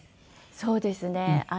そうですね。